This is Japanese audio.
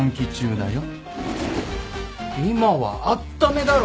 今はあっためだろ！